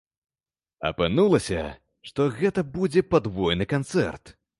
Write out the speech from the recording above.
Апынулася, што гэта будзе падвойны канцэрт.